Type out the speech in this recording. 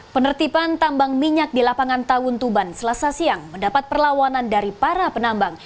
penertiban tambang minyak di lapangan tawun tuban selasa siang mendapat perlawanan dari para penambang